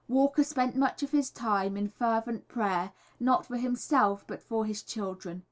Walker spent much of his time in fervent prayer, not for himself, but for his children.